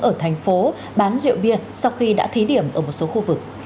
ở thành phố bán rượu bia sau khi đã thí điểm ở một số khu vực